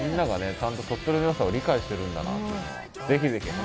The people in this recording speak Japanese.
ちゃんと鳥取のよさを理解してるんだなっていうのは。